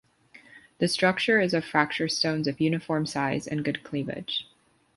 The structure is of fracture stones of uniform size and good cleavage.